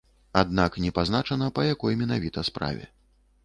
Аднак не пазначана па якой менавіта справе.